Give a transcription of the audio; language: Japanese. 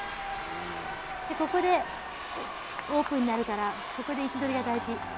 で、ここでオープンになるから、ここで位置取りが大事。